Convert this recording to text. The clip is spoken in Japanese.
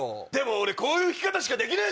俺こういう生き方しかできねえ！